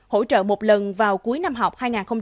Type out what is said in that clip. hỗ trợ một lần vào cuối năm học